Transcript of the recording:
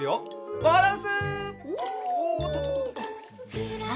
バランス！